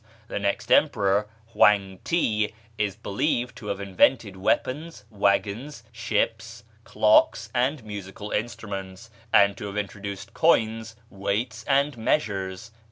The next emperor, Hwang ti, is believed to have invented weapons, wagons, ships, clocks, and musical instruments, and to have introduced coins, weights, and measures."